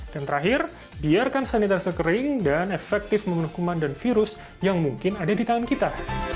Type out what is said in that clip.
dan terakhir biarkan sanitizer kering dan efektif menghukuman virus yang mungkin ada di tangan kita